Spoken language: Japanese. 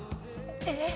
えっ！？